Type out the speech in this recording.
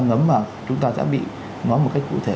ngấm mà chúng ta sẽ bị nói một cách cụ thể